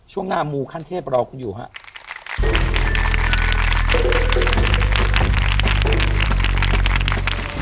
ช่วงหน้ามูขั้นเทพรอคุณอยู่ครับ